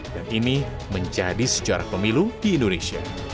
dan ini menjadi sejarah pemilu di indonesia